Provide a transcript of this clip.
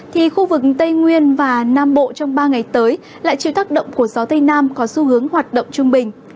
thì khu vực tây nguyên và nam bộ trong ba ngày tới lại chịu tác động của gió tây nam có xu hướng hoạt động trung bình